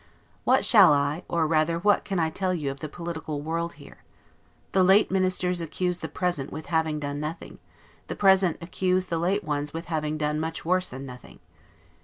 What shall I, or rather what can I tell you of the political world here? The late Ministers accuse the present with having done nothing, the present accuse the late ones with having done much worse than nothing.